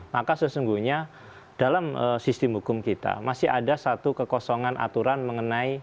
maka sesungguhnya dalam sistem hukum kita masih ada satu kekosongan aturan mengenai